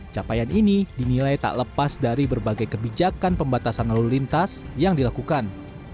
capaian ini dinilai tak lepas dari berbagai kebijakan pembatasan lalu lintas yang dilakukan